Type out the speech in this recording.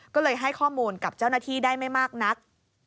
ก็เลยให้ข้อมูลกับเจ้าหน้าที่ได้ไม่มากนัก